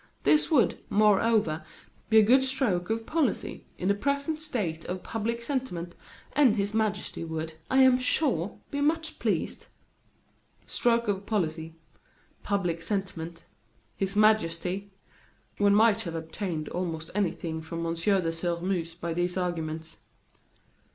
This would, moreover, be a good stroke of policy in the present state of public sentiment, and His Majesty would, I am sure, be much pleased." "Stroke of policy" "public sentiment" "His Majesty." One might have obtained almost anything from M. de Sairmeuse by these arguments.